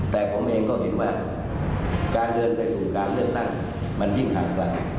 แต่ผมเองก็เห็นว่าการเดินไปสู่การเลือกตั้งมันยิ่งห่างไกล